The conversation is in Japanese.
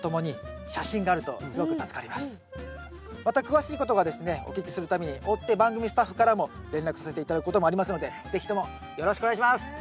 また詳しいことがですねお聞きするために追って番組スタッフからも連絡させて頂くこともありますので是非ともよろしくお願いします。